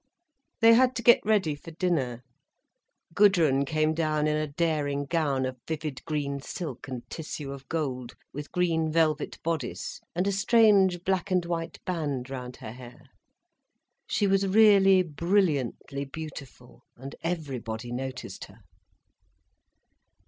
They had to get ready for dinner. Gudrun came down in a daring gown of vivid green silk and tissue of gold, with green velvet bodice and a strange black and white band round her hair. She was really brilliantly beautiful and everybody noticed her.